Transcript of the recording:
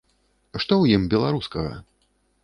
Што ў ім беларускага?